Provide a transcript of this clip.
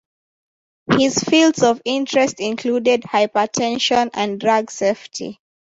His fields of interest included hypertension and drug safety.